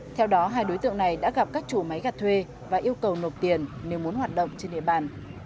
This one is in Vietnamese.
theo đó hai đối tượng này đã gặp các chủ máy gặt thuê và yêu cầu nộp tiền nếu muốn hoạt động trên địa bàn